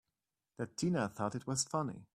That Tina thought it was funny!